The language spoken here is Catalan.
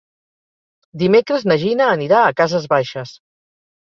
Dimecres na Gina anirà a Cases Baixes.